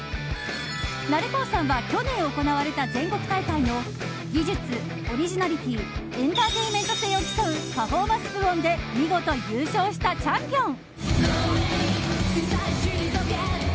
Ｎａｌｕｃｏさんは去年行われた全国大会の技術、オリジナリティーエンターテインメント性を競うパフォーマンス部門で見事優勝したチャンピオン！